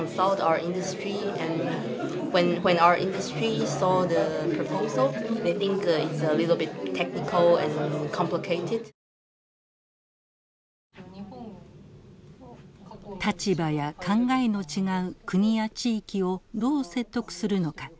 立場や考えの違う国や地域をどう説得するのか議論を重ねています。